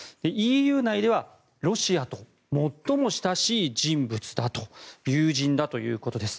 ＥＵ内ではロシアと最も親しい人物だと友人だということです。